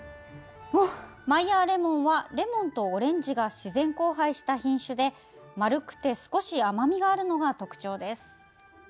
マイヤーレモンはレモンとオレンジが自然交配した品種で丸くて、少し甘みがあるのが特徴です。